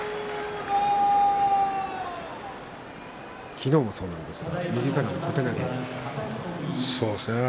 昨日もそうですが右からの小手投げ。